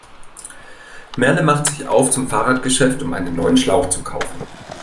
Merle macht sich auf zum Fahrradgeschäft, um einen neuen Schlauch zu kaufen.